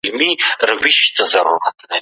که ډاکټر ناروغي وپېژني علاج یې کوي.